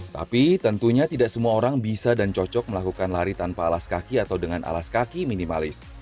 tapi tentunya tidak semua orang bisa dan cocok melakukan lari tanpa alas kaki atau dengan alas kaki minimalis